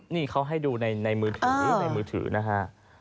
นี่เขาให้ดูในมือถือนะฮะ